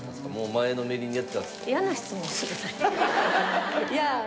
前のめりにやってたんですか？